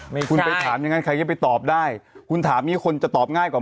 มันไม่จำนั้นใครจะไปตอบได้คุณถามมีคนจะตอบง่ายกว่า